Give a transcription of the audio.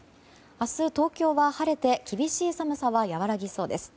明日、東京は晴れて厳しい寒さは和らぎそうです。